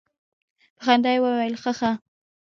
په خندا يې وويل خه خه.